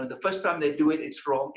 pertama kali mereka melakukannya